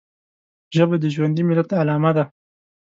ژبه د ژوندي ملت علامه ده